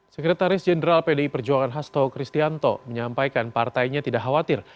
sekretaris jenderal pdi perjuangan hasto kristianto menyampaikan partainya tidak khawatir